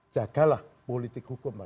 jagalah politik hukum